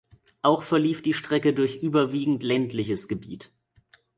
Auch verlief die Strecke durch überwiegend ländliches Gebiet.